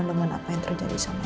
dengan apa yang terjadi selama ini